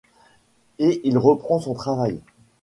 Et il reprend son travail.